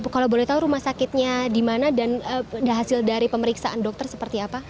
kalau boleh tahu rumah sakitnya di mana dan hasil dari pemeriksaan dokter seperti apa